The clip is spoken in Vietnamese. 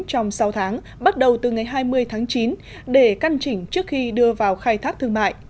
trong sáu tháng bắt đầu từ ngày hai mươi tháng chín để căn chỉnh trước khi đưa vào khai thác thương mại